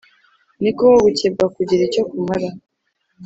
Ni koko gukebwa kugira icyo kumara